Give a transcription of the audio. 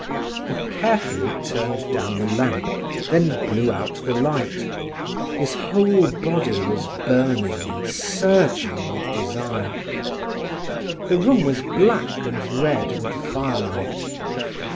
He carefully turned down the lamp, then blew out the light. His whole body was burning and surging with desire. The room was black and red with firelight.